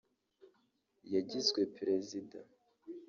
yagizwe Perezida